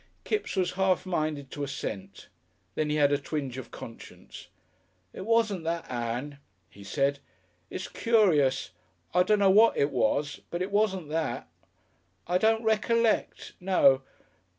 Kipps was half minded to assent. Then he had a twinge of conscience. "It wasn't that, Ann," he said. "It's curious. I don't know what it was, but it wasn't that. I don't recollect.... No....